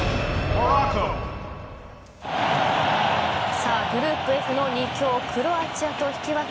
さあグループＦの２強クロアチアと引き分け